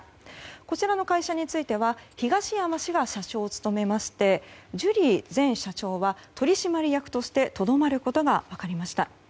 こちらの会社については東山氏が社長を務めましてジュリー前社長は取締役としてとどまることが分かりました。